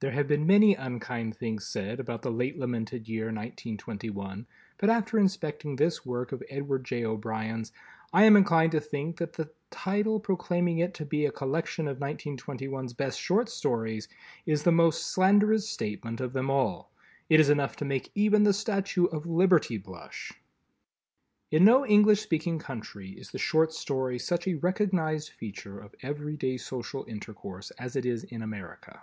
There have been many unkind things said about the late lamented year Nineteen Twenty One, but after inspecting this work of Edward J. O'Brien's I am inclined to think that the title proclaiming it to be a collection of Nineteen Twenty One's best Short Stories, is the most slanderous statement of them all. It is enough to make even the Statue of Liberty blush! In no English speaking country is the Short Story such a recognized feature of everyday social intercourse as it is in America.